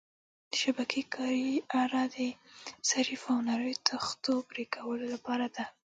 د شبکې کارۍ اره د ظریفو او نریو تختو پرېکولو لپاره ده.